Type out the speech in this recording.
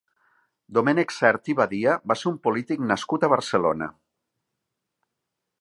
Domènec Sert i Badia va ser un polític nascut a Barcelona.